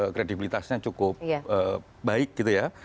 kredibilitasnya cukup baik gitu ya